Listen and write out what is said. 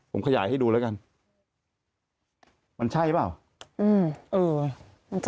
ผมขยายให้ดูแล้วกันมันใช่หรือเปล่า